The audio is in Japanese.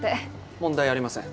問題ありません。